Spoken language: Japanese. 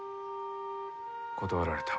断られた。